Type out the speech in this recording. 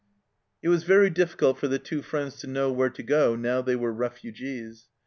It was very difficult for the two friends to know where to go now they were refugees.